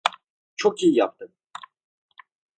Çok iyi yaptın.